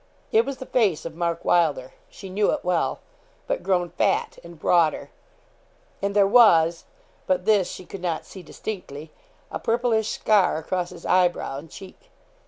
It was the face of Mark Wylder she knew it well but grown fat and broader, and there was but this she could not see distinctly a purplish scar across his eyebrow and cheek.